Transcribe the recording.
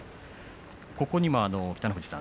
ここにも、北の富士さん